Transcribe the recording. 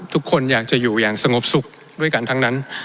ทุกคนอยากจะอยู่อย่างสงบสุขด้วยกันทั้งนั้น